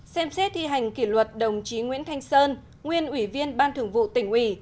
ba xem xét thi hành kỷ luật đồng chí nguyễn thanh sơn nguyên ủy viên ban thường vụ tỉnh ủy